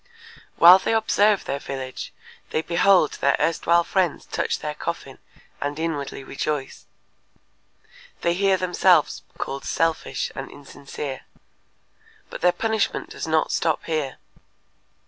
While they observe their village they behold their erstwhile friends touch their coffin and inwardly rejoice. They hear themselves called selfish and insincere. But their punishment does not stop here.